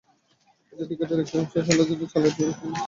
এতে টিকিটের একটি অংশ ফেলার জন্য চালের ছোট আকৃতির ড্রামও রাখা হয়।